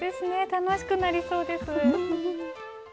楽しくなりそうです。